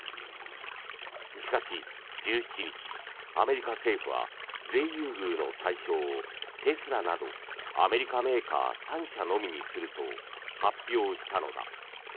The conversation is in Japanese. しかし、１７日アメリカ政府は税優遇の対象をテスラなどアメリカメーカー３社のみにすると発表したのだ。